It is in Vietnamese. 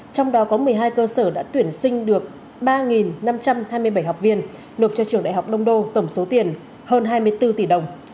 trong đó có một mươi hai cơ sở đã tuyển sinh được ba năm trăm hai mươi bảy học viên nộp cho trường đại học đông đô tổng số tiền hơn hai mươi bốn tỷ đồng